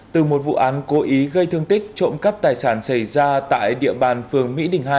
từ một vụ án cố ý gây thương tích trộm cắp tài sản xảy ra tại địa bàn phường mỹ đình hai